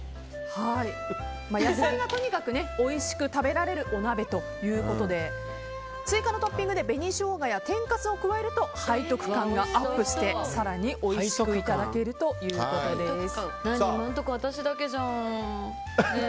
野菜がとにかくおいしく食べられるお鍋ということで追加のトッピングで紅ショウガや天かすを加えると背徳感がアップして更においしくいただける今のところ私だけじゃん。